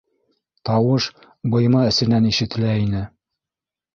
Тауыш быйма эсенән ишетелә ине.